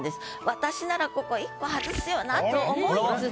私ならここ１個外すよなと思いつつ。